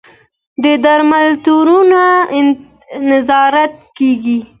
د درملتونونو نظارت کیږي؟